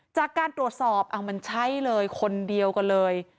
จากการตรวจสอบมันใช่เลยคนเดียวกันเลย